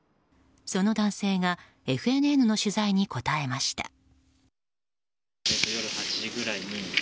その男性がＦＮＮの取材に答えました。